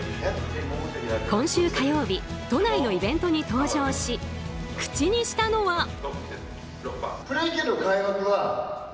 今週火曜日都内のイベントに登場し口にしたのは。